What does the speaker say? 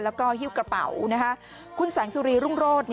แล้วก็หิ้วกระเป๋าคุณแสงสุรีรุ่งโรธ